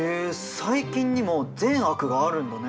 細菌にも善悪があるんだね。